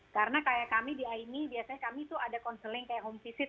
karena kayak kami di aimi biasanya kami itu ada counseling kayak home visit